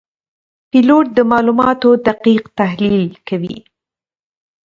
پیلوټ د معلوماتو دقیق تحلیل کوي.